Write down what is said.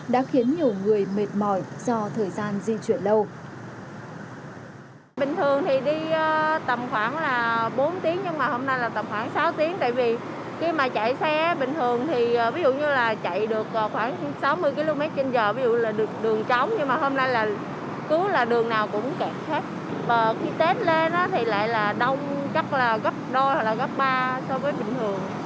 đã khiến nhiều người mệt mỏi do thời gian di chuyển lâu